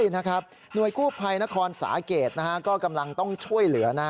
หน่วยกลุ่มภัยนครสาเกรษตั้งนอกกำลังต้องช่วยเหลือ